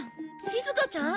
しずかちゃん？